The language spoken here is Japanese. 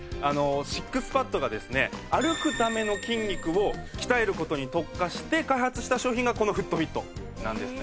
シックスパッドがですね歩くための筋肉を鍛える事に特化して開発した商品がこのフットフィットなんですね。